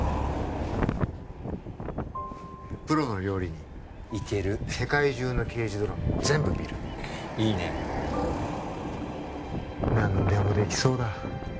プロの料理人いける世界中の刑事ドラマを全部見るいいね何でもできそうだ